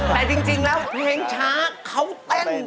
แต่จริงแล้วเพลงช้าเขาเต้น